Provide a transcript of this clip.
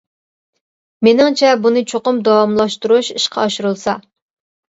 مېنىڭچە، بۇنى چوقۇم داۋاملاشتۇرۇش ئىشقا ئاشۇرۇلسا.